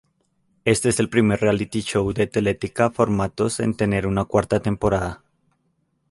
Este es el primer reality show de Teletica Formatos en tener una cuarta temporada.